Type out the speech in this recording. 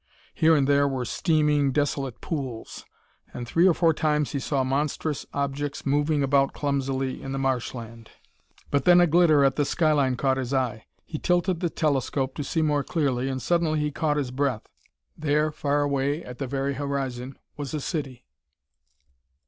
Here and there were steaming, desolate pools. And three or four times he saw monstrous objects moving about clumsily in the marsh land. But then a glitter at the skyline caught his eye. He tilted the telescope to see more clearly, and suddenly he caught his breath. There, far away at the very horizon, was a city.